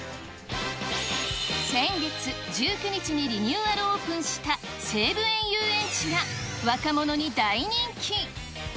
先月１９日にリニューアルオープンした西武園ゆうえんちが、若者に大人気。